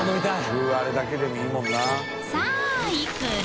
具あれだけでもいいもんな磴気いくら？